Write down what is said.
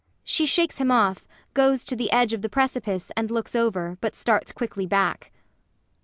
[She shakes him off, goes to the edge of the precipice and looks over, but starts quickly back.